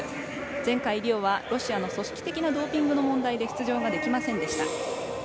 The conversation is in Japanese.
前回リオは、ロシアの組織的なドーピングの問題で出場ができませんでした。